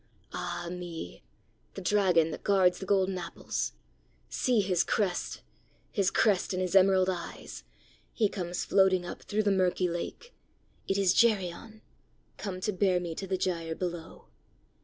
Ah, me! the dragon that guards the golden apples! See his crest his crest and his emerald eyes! He comes floating up through the murky lake! It is Geryon! come to bear me to the gyre below!"